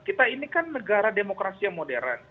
kita ini kan negara demokrasi yang modern